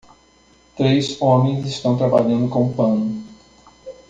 Três homens estão trabalhando com pano.